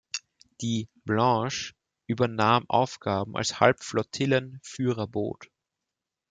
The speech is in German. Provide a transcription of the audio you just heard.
Die "Blanche" übernahm Aufgaben als Halbflottillen-Führerboot.